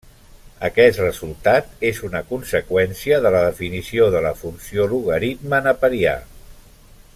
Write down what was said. Aquest resultat és una conseqüència de la definició de la funció logaritme neperià.